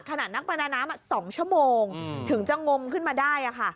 นักประดาน้ำ๒ชั่วโมงถึงจะงมขึ้นมาได้